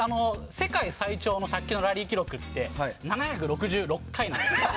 世界最長の卓球のラリー記録は７６６回なんですね。